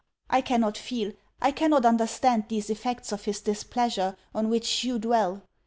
I cannot feel, I cannot understand these effects of his displeasure on which you dwell.